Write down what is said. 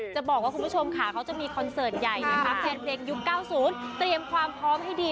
จะบอกว่าคุณประชงมีเก๊าพร้อมให้ดี